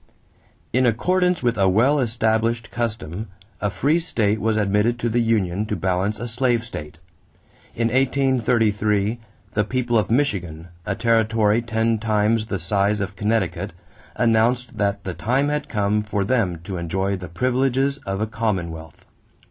= In accordance with a well established custom, a free state was admitted to the union to balance a slave state. In 1833, the people of Michigan, a territory ten times the size of Connecticut, announced that the time had come for them to enjoy the privileges of a commonwealth.